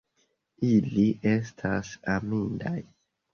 Ili estas amindaj!